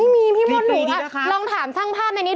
ไม่มีพี่มดลองถามท่างภาพในนี้